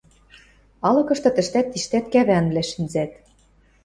Алыкышты тӹштӓт-тиштӓт кӓвӓнвлӓ шӹнзӓт